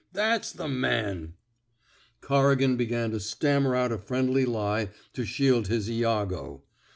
That's the mani " Corrigan began to stammer out a friendly lie to shield his lago.